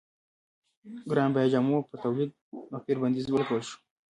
ګران بیه جامو پر تولید او پېر بندیز ولګول شو.